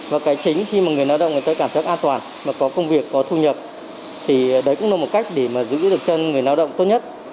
và cái chính khi mà người lao động người ta cảm giác an toàn mà có công việc có thu nhập thì đấy cũng là một cách để mà giữ được cho người lao động tốt nhất